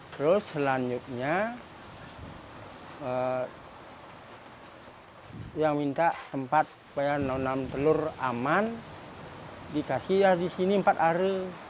terus selanjutnya yang minta tempat supaya nanam telur aman dikasih di sini empat hari